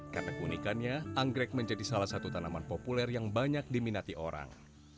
karena keunikannya anggrek menjadi salah satu tanaman populer yang banyak diminati orang